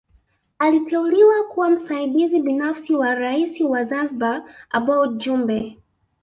Aliteuliwa kuwa msaidizi binafsi wa Rais wa Zanzibari Aboud Jumbe